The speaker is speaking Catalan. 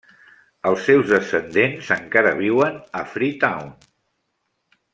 Els seus descendents encara viuen a Freetown.